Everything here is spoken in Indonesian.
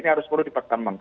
harus perlu dipertemang